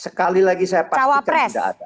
sekali lagi saya pastikan tidak ada